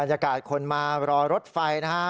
ยากาศคนมารอรถไฟนะฮะ